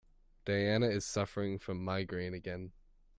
Diana is suffering from migraine again.